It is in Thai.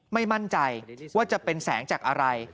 ไม่มั่นใจว่าจะเป็นแสงจากอะไร